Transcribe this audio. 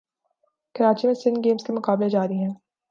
کراچی میں سندھ گیمز کے مقابلے جاری ہیں